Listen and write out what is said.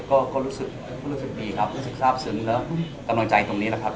ก็รู้สึกดีครับรู้สึกทราบสึมแล้วกำลังใจตรงนี้นะครับ